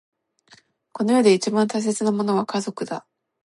この世で一番大切なものは家族だ。